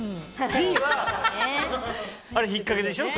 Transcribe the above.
Ｂはあれひっかけでしょ。